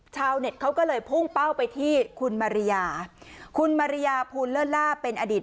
ชาวเน็ตเขาก็เลยพุ่งเป้าไปที่คุณมาริยาคุณมาริยาภูลเลิศล่าเป็นอดีต